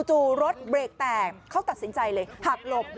จู่รถเบรกแตกเขาตัดสินใจเลยหักหลบ